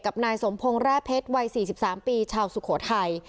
นายสมพงศ์แร่เพชรวัย๔๓ปีชาวสุโขทัย